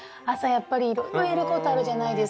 やっぱりいろいろやることあるじゃないですか。